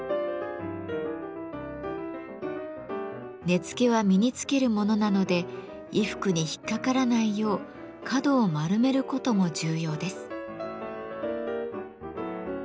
根付は身につけるものなので衣服に引っかからないよう角を丸めることも重要です。